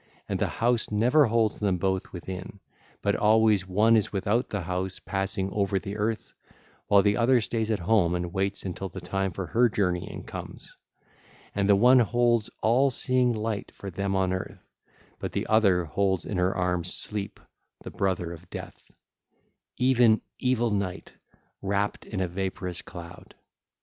And the house never holds them both within; but always one is without the house passing over the earth, while the other stays at home and waits until the time for her journeying come; and the one holds all seeing light for them on earth, but the other holds in her arms Sleep the brother of Death, even evil Night, wrapped in a vaporous cloud.